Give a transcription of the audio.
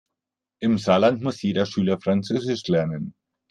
Im Saarland muss jeder Schüler französisch lernen.